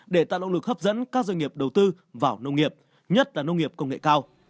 để tạo động lực hấp dẫn các doanh nghiệp đầu tư vào nông nghiệp nhất là nông nghiệp công nghệ cao